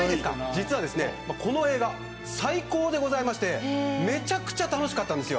実はこの映画最高でございましてめちゃくちゃ楽しかったんです。